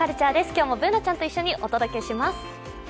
今日もＢｏｏｎａちゃんと一緒にお届けします。